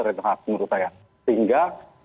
menurut saya sehingga